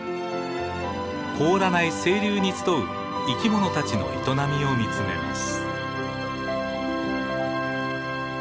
凍らない清流に集う生き物たちの営みを見つめます。